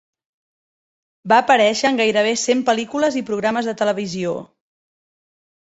Va aparèixer en gairebé cent pel·lícules i programes de televisió.